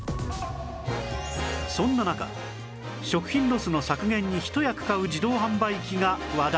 そんな中食品ロスの削減に一役買う自動販売機が話題に